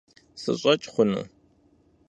Sış'eç' xhunu?